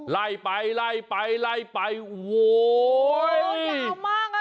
ไล่ไปโหโหยาวมากอะ